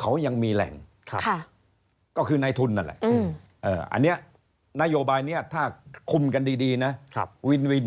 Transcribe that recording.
เขายังมีแหล่งก็คือในทุนนั่นแหละอันนี้นโยบายนี้ถ้าคุมกันดีนะวินวิน